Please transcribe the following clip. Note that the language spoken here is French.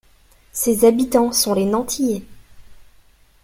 Ses habitants sont les Nantillais.